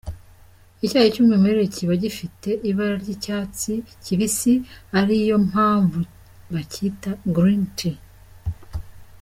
Icyayi cy’umwimerere cyiba gifite ibara ry’icyatsi kibisi, ariyo mpanvu bacyita “green tea”.